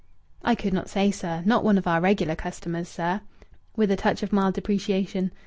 "I could not say, sir. Not one of our regular customers, sir," with a touch of mild depreciation.